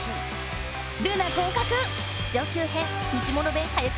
ルナ合格！